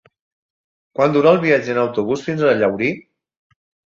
Quant dura el viatge en autobús fins a Llaurí?